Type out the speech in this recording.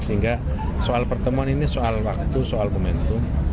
sehingga soal pertemuan ini soal waktu soal momentum